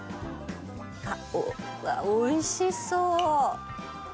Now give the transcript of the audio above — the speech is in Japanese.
うわっおいしそう。